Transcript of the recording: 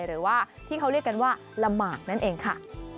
หรือว่าที่เขาเรียกกันว่าละหมากนั่นเองค่ะ